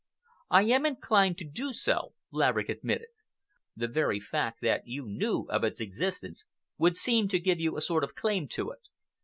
"I am inclined to do so," Laverick admitted. "The very fact that you knew of its existence would seem to give you a sort of claim to it.